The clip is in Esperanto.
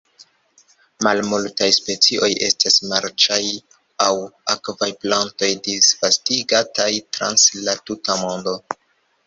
Malmultaj specioj estas marĉaj aŭ akvaj plantoj disvastigataj trans la tuta mondo.